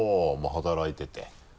働いてて。